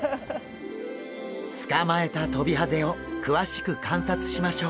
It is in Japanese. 捕まえたトビハゼを詳しく観察しましょう。